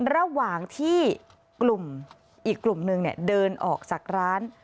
ระหว่างที่กลุ่มอีกกลุ่มนึงเดินออกจากร้าน